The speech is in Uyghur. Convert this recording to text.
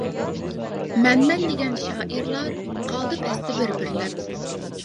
مەن مەن-دېگەن شائىرلار، قالدى پەستە بىر-بىرلەپ.